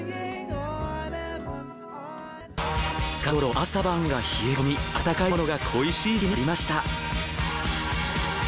近頃朝晩が冷え込み温かいものが恋しい時期になりました。